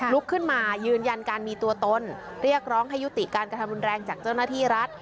ลุกขึ้นมายืนยันการมีตัวตนเรียกร้องให้ยุติการกระทำรุนแรงจากเจ้าหน้าที่รัฐ